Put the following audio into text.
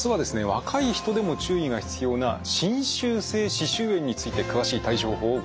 若い人でも注意が必要な侵襲性歯周炎について詳しい対処法をご紹介します。